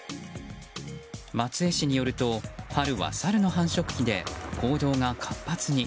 松江市によると春はサルの繁殖期で行動が活発に。